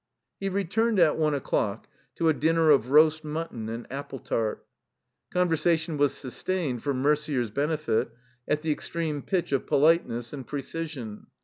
He returned, at one o'clock, to a dinner of roast mutton and apple tart. Conversation was sus tained, for Mercier's benefit, at the extreme pitch of politeness and precision.